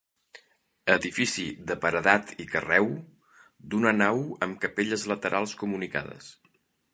Edifici de paredat i carreu, d'una nau amb capelles laterals comunicades.